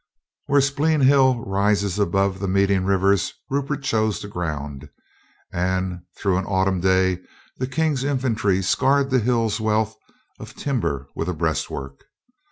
Where Speen Hill rises above the meeting rivers Rupert chose the ground, and through an autumn day the King's infantry scarred the hill's wealth of timber with a breastwork.